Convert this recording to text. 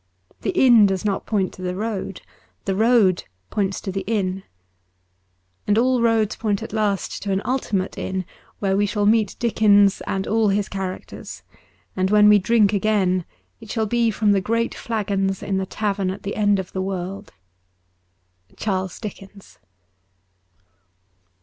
The inn does not point to the road : the road points to the inn. And all roads point at last to an ultimate inn, where we shall meet Dickens and all his characters. And when we drink again it shall be from the great flagons in the tavern at the end of the world. ' CharUs Dickens.'